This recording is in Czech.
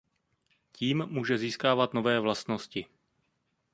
Tím může získávat nové vlastnosti.